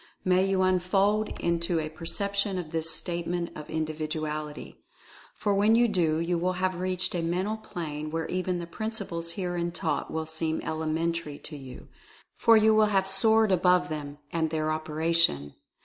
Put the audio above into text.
May you unfold into a perception of this Statement of Individuality. For when you do, you will have reached a mental plane where even the principles herein taught will seem elementary to you — for you will have soared above them and their operation.